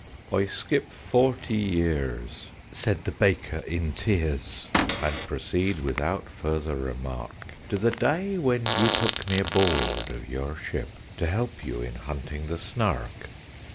"I skip forty years," said the Baker, in tears, "And proceed without further remark To the day when you took me aboard of your ship To help you in hunting the Snark.